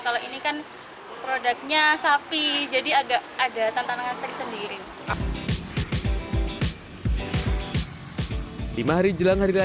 kalau ini kan produknya sapi jadi agak ada tantangan dari sendiri